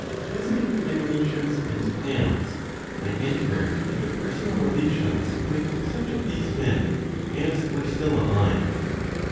Visiting many nations and towns, I entered into personal relations with such of these men as were still alive.